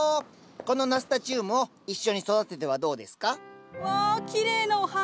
このナスタチウムを一緒に育ててはどうですか？わきれいなお花！